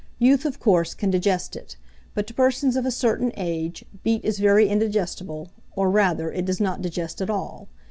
Youth, of course, can digest it; but to persons of a certain age beet is very indigestible, or rather, it does not digest at all.